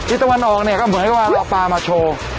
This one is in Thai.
ตะวันออกเนี่ยก็เหมือนกับว่าเอาปลามาโชว์